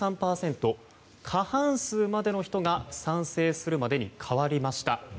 過半数までの人が賛成するまでに変わりました。